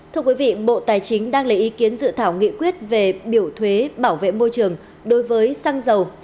thưa quý vị bộ tài chính đang lấy ý kiến dự thảo nghị quyết về biểu thuế bảo vệ môi trường đối với xăng dầu